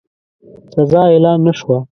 سزا اعلان نه شوه.